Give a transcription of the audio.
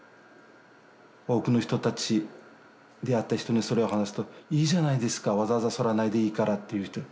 多くの人たち出会った人にそれを話すと「いいじゃないですかわざわざ剃らないでいいから」って言う人も。